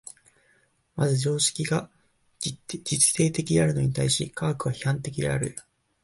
まず常識が実定的であるに対して科学は批判的である。